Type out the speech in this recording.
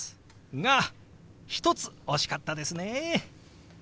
が一つ惜しかったですね。